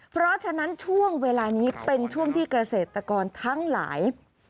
เพราะฉะนั้นช่วงเวลานี้เป็นช่วงที่เกษตรกรทั้งหลาย